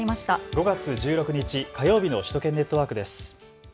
５月１６日火曜日の首都圏ネットワークです。